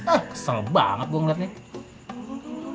ah kesel banget gue ngeliat nih